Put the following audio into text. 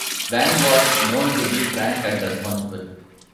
Wang was known to be frank and responsible.